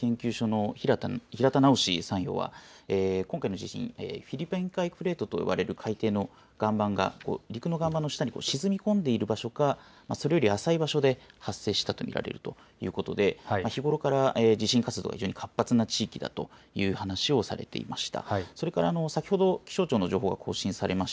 そうですね、この点について防災科学技術研究所の平田直参与は今回の地震、フィリピン海プレートといわれる海底の岩盤が陸の岩盤の下に沈み込んでいる場所かそれより浅い場所で発生したとみられるということで日頃から地震活動、活発な地域だという話をされていました。